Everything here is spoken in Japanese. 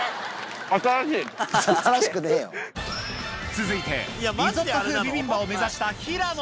続いてリゾット風ビビンバを目指した平野